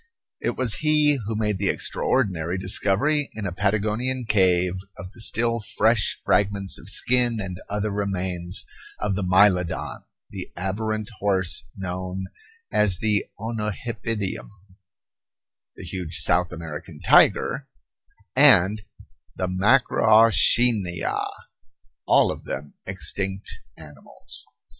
It was he who made the extraordinary discovery in a Patagonian cave of the still fresh fragments of skin and other remains of the mylodon, the aberrant horse known as the onohipidium, the huge South American tiger, and the macrauchenia, all of them extinct animals.